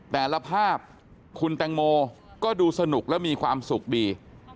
แต่ละภาพคุณแตงโมก็ดูสนุกและมีความสุขดี